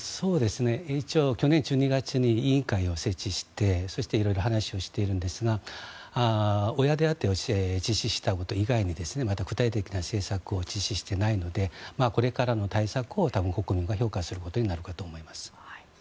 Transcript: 一応、去年１２月に委員会を設置してそしていろいろ話をしているんですが親手当を実施したこと以外に具体的な政策を実施していないのでこれからの対策を国民が評価することになると思います。